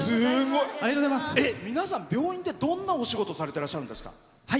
皆さん病院でどんなお仕事されてるんですか。